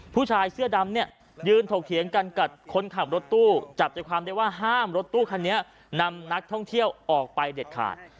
ผู้ชายเสื้อดำเนี่ยยืนถกเถียงกันกับคนขับรถตู้จับใจความได้ว่าห้ามรถตู้คันนี้นำนักท่องเที่ยวออกไปเด็ดขาด